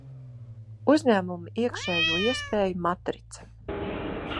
Uzņēmuma iekšējo iespēju matrica.